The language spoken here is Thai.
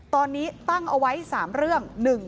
ตอนนี้ตั้งเอาไว้๓เรื่อง